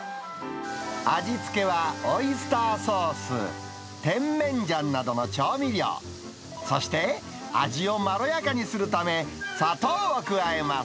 味付けはオイスターソース、テンメンジャンなどの調味料、そして味をまろやかにするため砂糖を加えます。